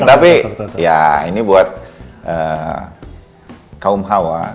tapi ya ini buat kaum hawa